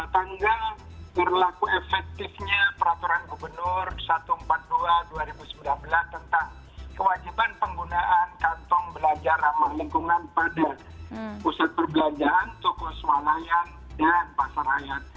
tanggal berlaku efektifnya peraturan gubernur satu ratus empat puluh dua dua ribu sembilan belas tentang kewajiban penggunaan kantong belanja ramah lingkungan pada pusat perbelanjaan toko swalayan dan pasar rakyat